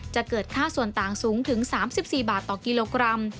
จะเกิดค่าส่วนต่างสูงถึง๓๔บาทต่อกิโลกรัม